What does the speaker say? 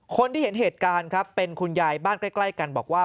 เห็นเหตุการณ์ครับเป็นคุณยายบ้านใกล้กันบอกว่า